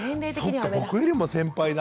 そっか僕よりも先輩だ。